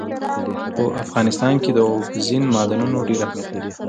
په افغانستان کې اوبزین معدنونه ډېر اهمیت لري.